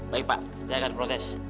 baik pak saya akan proses